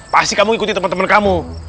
pasti kamu ikuti temen temen kamu